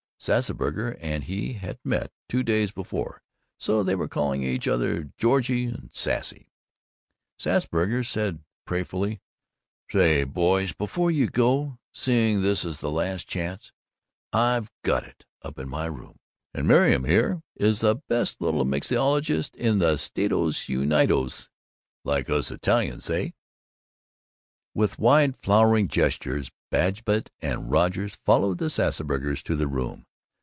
Sassburger and he had met two days before, so they were calling each other "Georgie" and "Sassy." Sassburger said prayerfully, "Say, boys, before you go, seeing this is the last chance, I've got it, up in my room, and Miriam here is the best little mixologist in the Stati Unidos, like us Italians say." With wide flowing gestures, Babbitt and Rogers followed the Sassburgers to their room.